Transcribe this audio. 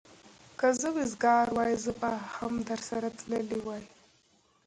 که زه وزګار وای، زه به هم درسره تللی وای.